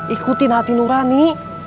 ikutin hati nurani